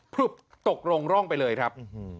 พลึบตกลงร่องไปเลยครับ